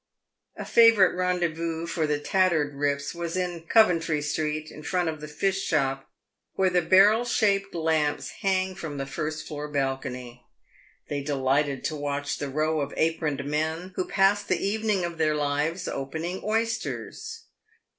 A favourite rendezvous for the tattered rips was in Coventry street, in front of the fish shop where the barrel shaped lamps hang from the first floor balcony. They delighted to watch the row of aproned men who passed the evening of their lives opening oysters.